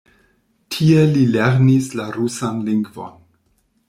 Tie li lernis la rusan lingvon.